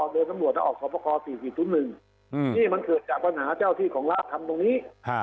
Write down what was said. โดยสังหวัดและออกสปกร๔๑นี่มันเกิดจากปัญหาเจ้าที่ของราศทำตรงนี้